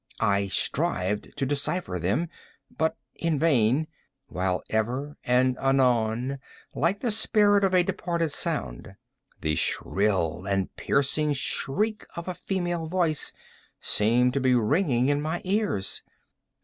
I strived to decypher them, but in vain; while ever and anon, like the spirit of a departed sound, the shrill and piercing shriek of a female voice seemed to be ringing in my ears.